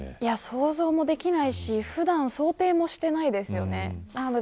想像もできないし普段、想定もしてないですよね。